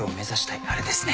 あれですね。